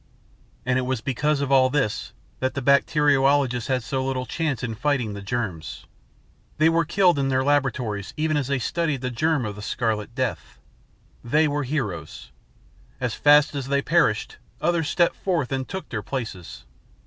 "And it was because of all this that the bacteriologists had so little chance in fighting the germs. They were killed in their laboratories even as they studied the germ of the Scarlet Death. They were heroes. As fast as they perished, others stepped forth and took their places.